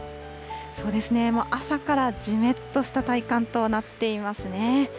そうですね、もう朝からじめっとした体感となっていますね。